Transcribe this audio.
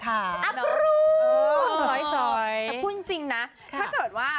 แต่พูดจริงนะถ้าเกิดว่า